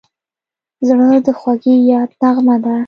زړه د خوږې یاد نغمه ده.